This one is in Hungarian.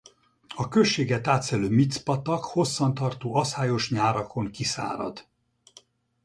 A községet átszelő Micz-patak hosszan tartó aszályos nyárakon kiszárad.